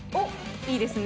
いいですね。